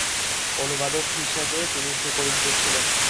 অনুবাদক হিসাবে তিনি সুপরিচিত ছিলেন।